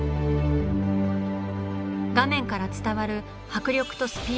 画面から伝わる迫力とスピード感。